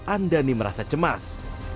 andani merasa cemas